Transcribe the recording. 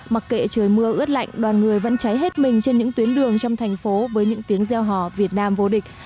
mặc kệ trời mưa ướt lạnh đoàn người vẫn cháy hết mình trên những tuyến đường trong thành phố với những tiếng gieo hò việt nam vô địch